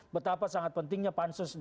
betapa sangat pentingnya pansus